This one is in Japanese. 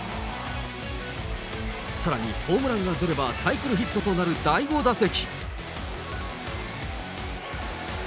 さらに、ホームランが出ればサイクルヒットとなる第５打席。